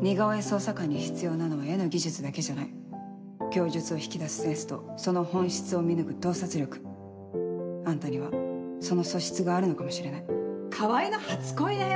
似顔絵捜査官に必要なのは絵の技術だけじ供述を引き出すセンスとその本質を見抜くあんたにはその素質があるのかもしれない川合の初恋だよ